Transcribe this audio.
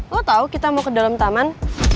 oh tau kita mau ke dalam taman